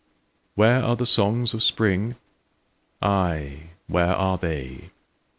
Where are the songs of Spring? Ay, where are they?